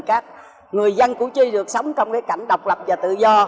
các người dân của tri được sống trong cái cảnh độc lập và tự do